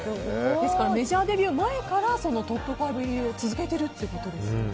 メジャーデビュー前からトップ５入りを続けているということですよね。